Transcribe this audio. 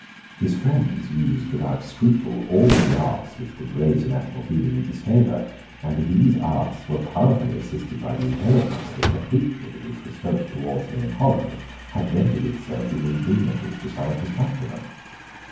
His friends used without scruple all the arts which could raise a national feeling in his favour; and these arts were powerfully assisted by the intelligence that the hatred which was felt towards him in Holland bad vented itself in indignities to some of his countrymen.